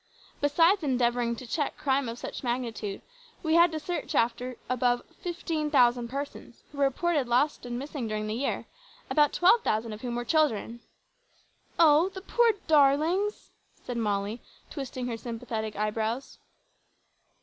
Besides endeavouring to check crime of such magnitude, we had to search after above 15,000 persons who were reported lost and missing during the year, about 12,000 of whom were children." "Oh! the poor darlings," said Molly, twisting her sympathetic eyebrows.